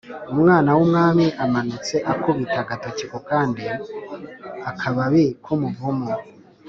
umwana w'umwami amanutse akubita agatoki ku kandi-akababi k'umuvumu.